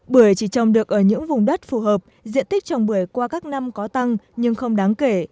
bưởi chỉ trồng được ở những vùng đất phù hợp diện tích trồng bưởi qua các năm có tăng nhưng không đáng kể